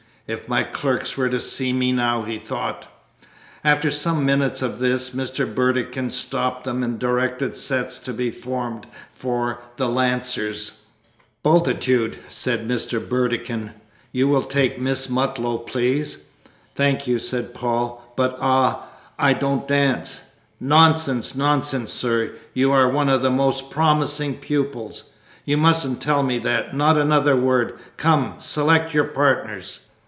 "If my clerks were to see me now!" he thought. After some minutes of this, Mr. Burdekin stopped them and directed sets to be formed for "The Lancers." "Bultitude," said Mr. Burdekin, "you will take Miss Mutlow, please." "Thank you," said Paul, "but ah I don't dance." "Nonsense, nonsense, sir, you are one of my most promising pupils. You mustn't tell me that. Not another word! Come, select your partners."